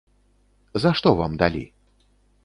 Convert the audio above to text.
За што вам далі?